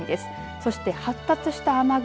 そして発達した雨雲